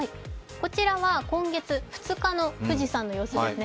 こちらは今月２日の富士山の様子ですね。